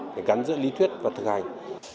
để gắn giữa lý thuyết và thực hành